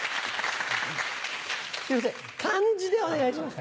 すいません漢字でお願いします。